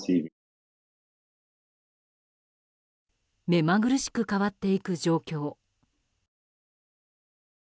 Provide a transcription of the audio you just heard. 目まぐるしく変わっていく状況。